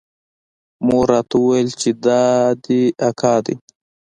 مور راته وويل چې دا دې اکا دى.